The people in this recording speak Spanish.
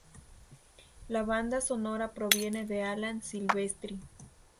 La banda sonora proviene de Alan Silvestri.